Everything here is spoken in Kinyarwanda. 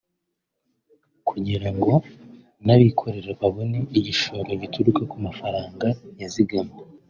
kugira ngo n’abikorera babone igishoro gituruka mu mafaranga yazigamwe